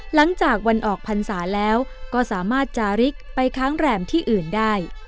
หลังจากวันออกพรรษาแล้วก็สามารถจาริกไปค้างแรมที่อื่นได้